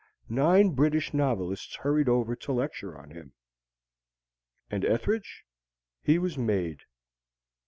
Nine British novelists hurried over to lecture on him. And Ethridge? He was made.